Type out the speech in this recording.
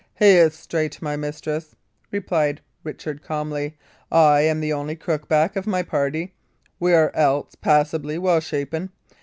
"He is straight, my mistress," replied Richard, calmly. "I am the only crookback of my party; we are else passably well shapen.